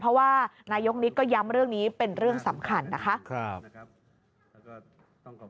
เพราะว่านายกนิดก็ย้ำเรื่องนี้เป็นเรื่องสำคัญนะคะ